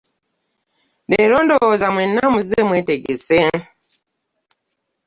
Leero ndowooza mwenna muzze mwetegese.